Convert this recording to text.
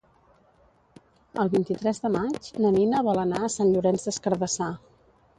El vint-i-tres de maig na Nina vol anar a Sant Llorenç des Cardassar.